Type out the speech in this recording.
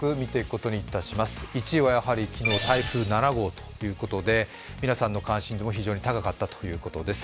１位はやはり昨日台風７号ということで皆さんも関心度も非常に高かったということです。